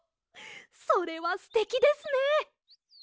それはすてきですね。